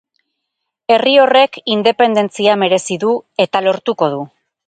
Herri horrek independentzia merezi du, eta lortuko du.